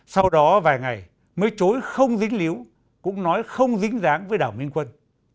sau đó vài ngày mới chối không dính líu cũng nói không dính dáng với đảo minh quân